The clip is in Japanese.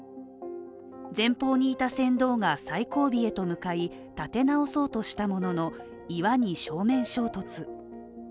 前方にいた船頭が最後尾へと向かい立て直そうとしたものの、岩に正面衝突。